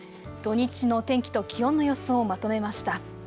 土日の天気と気温の予想をまとめました。